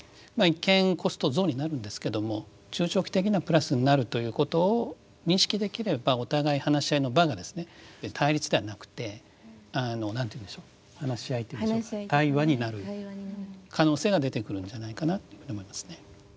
一見コスト増になるんですけども中長期的にはプラスになるということを認識できればお互い話し合いの場がですね対立ではなくて何と言うんでしょう話し合いと言うんでしょうか対話になる可能性が出てくるんじゃないかなと思いますね。